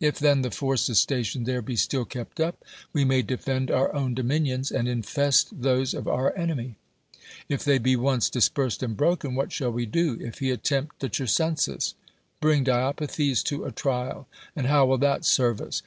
If then the forces stationed there be still kept up, we may defend our own dominions, and infest those of our enemy; if they be once dispersed and broken, what shall we do if he attempt the Chersonesus ? "Bring Diopithes to a trial." And how will that serve us?